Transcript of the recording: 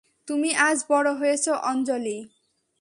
তুমি আজ বড় হয়েছো অঞ্জলি।